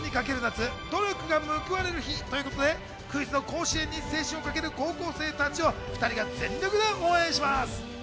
今年のテーマは「クイズにかける夏、努力が報われる日」ということでクイズの甲子園に青春を懸ける高校生たちをお２人が全力で応援します。